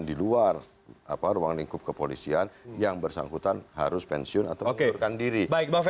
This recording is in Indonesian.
di luar ruang lingkup kepolisian yang bersangkutan harus pensiun atau mengundurkan diri